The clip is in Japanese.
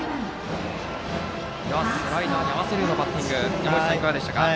スライダーに合わせるようなバッティング山口さん、いかがでしたか。